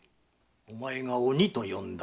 おまえが「鬼」と呼んだ